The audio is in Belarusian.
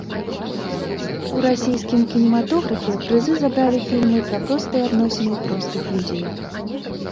У расійскім кінематографе прызы забралі фільмы пра простыя адносіны простых людзей.